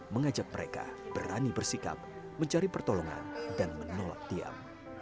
mengajak mereka berani bersikap mencari pertolongan dan menolak diam